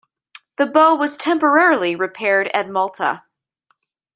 The bow was temporarily repaired at Malta.